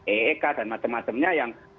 eek dan macam macamnya yang